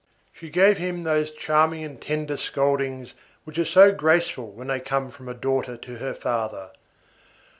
She gave him those charming and tender scoldings which are so graceful when they come from a daughter to her father.